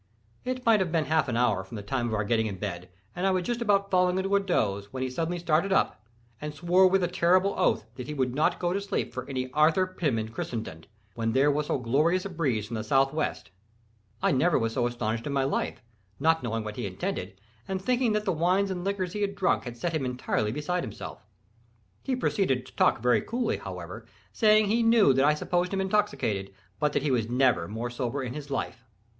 It might have been half an hour from the time of our getting in bed, and I was just about falling into a doze, when he suddenly started up, and swore with a terrible oath that he would not go to sleep for any Arthur Pym in Christendom, when there was so glorious a breeze from the southwest. I never was so astonished in my life, not knowing what he intended, and thinking that the wines and liquors he had drunk had set him entirely beside himself. He proceeded to talk very coolly, however, saying he knew that I supposed him intoxicated, but that he was never more sober in his life.